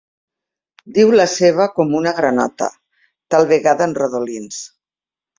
Diu la seva com una granota, tal vegada en rodolins.